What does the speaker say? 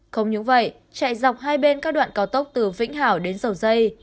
không những vậy chạy dọc hai bên các đoạn cao tốc từ vĩnh hảo đến dầu dây